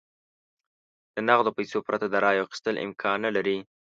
د نغدو پیسو پرته د رایو اخیستل امکان نه لري.